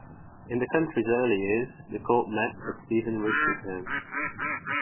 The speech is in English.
In the county's early years, the court met at Steven Rich's home.